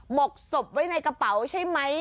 หกศพไว้ในกระเป๋าใช่ไหม